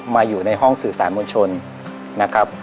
อยู่ในห้องสื่อสารมวลชนนะครับ